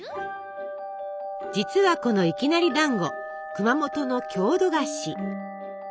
実はこのいきなりだんご熊本の郷土菓子。